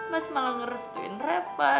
mas malah ngerestuin refah